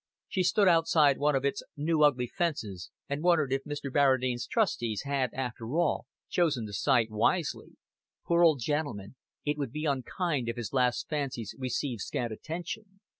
She stood outside one of its new ugly fences, and wondered if Mr. Barradine's trustees had, after all, chosen the site wisely. Poor old gentleman, it would be unkind if his last fancies received scant attention.